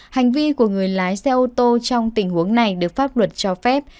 hành vi của người lái xe ô tô trong tình huống này được pháp luật cho phép